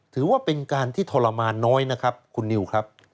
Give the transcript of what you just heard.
ถือว่าเป็นการที่ทรมานน้อยนะครับคุณนิวครับ